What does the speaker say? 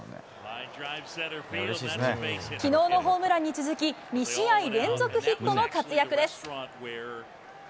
きのうのホームランに続き、２試合連続ヒットの活躍です。